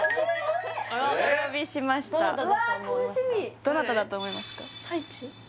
どなただと思いますか？